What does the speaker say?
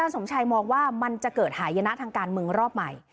สมชัยมองว่ามันจะเกิดหายนะทางการเมืองรอบใหม่